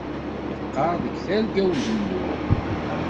Yeqqaṛ deg Terga Uzemmur